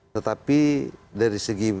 tetapi dari segi